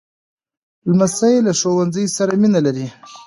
لمسی له ښوونځي سره مینه لري.